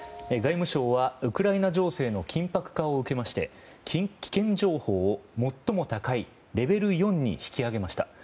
外務省はウクライナ情勢の緊迫化を受けまして危険情報を最も高いレベル４に引き上げました。